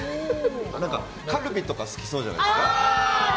カルビとか好きそうじゃないですか。